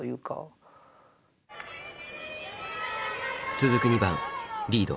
続く２番リード。